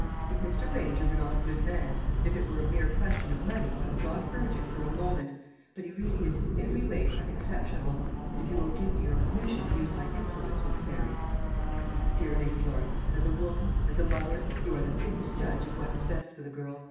If Mr. Granger were not a good man, if it were a mere question of money, I would not urge it for a moment; but he really is in every way unexceptionable, and if you will give me your permission to use my influence with Clary " "My dear Lady Laura, as a woman, as a mother, you are the fittest judge of what is best for the girl.